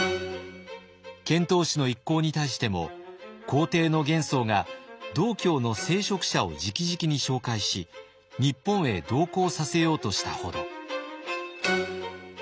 遣唐使の一行に対しても皇帝の玄宗が道教の聖職者を直々に紹介し日本へ同行させようとしたほど。